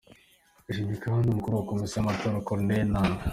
Yashimiye kandi umukuru wa Komisiyo y’amatora, Corneille Naanga.